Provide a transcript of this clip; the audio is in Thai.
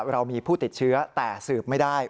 เรามีผู้ติดเชื้อแต่สืบไม่ได้